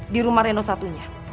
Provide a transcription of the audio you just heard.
di rumah reno satunya